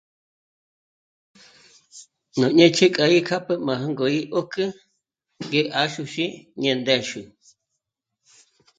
Má nêch'i kja dyí kjâpjü má jângo í 'ö́'k'ü ngé 'àxuxí ñé ndë́xü